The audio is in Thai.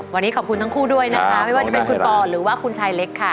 วันนี้ขอบคุณทั้งคู่ด้วยนะคะไม่ว่าจะเป็นคุณปอหรือว่าคุณชายเล็กค่ะ